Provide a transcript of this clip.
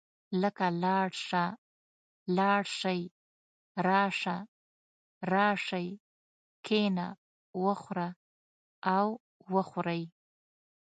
لکه لاړ شه، لاړ شئ، راشه، راشئ، کښېنه، وخوره او وخورئ.